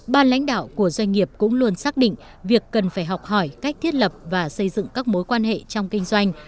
ban lãnh đạo của doanh nghiệp cũng luôn xác định việc cần phải học hỏi cách thiết lập và xây dựng các mối quan hệ trong kinh doanh